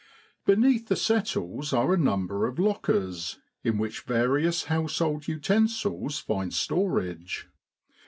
Beneath the settles are a number of lockers, in which vari ous household utensils find storage.